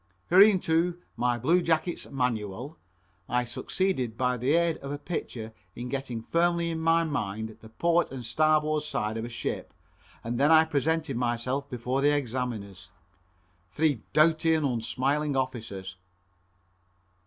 Hurrying to "My Blue Jacket's Manual," I succeeded by the aid of a picture in getting firmly in my mind the port and starboard side of a ship and then I presented myself before the examiners three doughty and unsmiling officers.